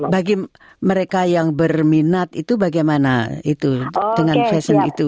bagi mereka yang berminat itu bagaimana itu dengan fashion itu